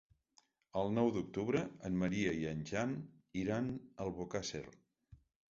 El nou d'octubre en Maria i en Jan iran a Albocàsser.